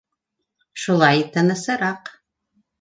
Шулай тынысыраҡ.